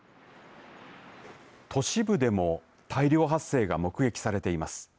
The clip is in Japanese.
都市部でも大量発生が目撃されています。